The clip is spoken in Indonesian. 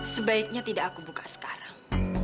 sebaiknya tidak aku buka sekarang